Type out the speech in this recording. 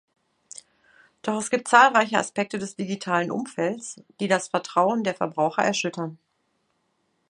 Doch es gibt zahlreiche Aspekte des digitalen Umfelds, die das Vertrauen der Verbraucher erschüttern.